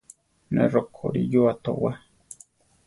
Ne rokorí yua towá.